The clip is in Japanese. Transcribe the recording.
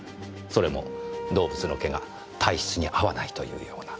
それも動物の毛が体質に合わないというような。